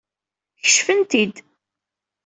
Kecfen-t-id.